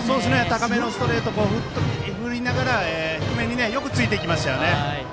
高めのストレート振りながら低めによくついていきましたね。